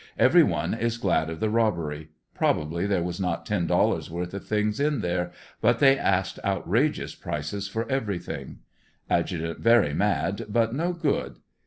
Every one is glad of the robbery Probably there was not ten dollars worth of things in there, but they asked outrageous prices for everything. Adjt. very mad, but no good.